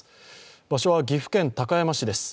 場所は岐阜県高山市です。